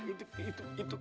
itu itu itu